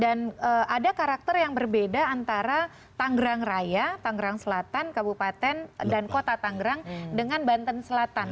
dan ada karakter yang berbeda antara tangerang raya tangerang selatan kabupaten dan kota tangerang dengan banten selatan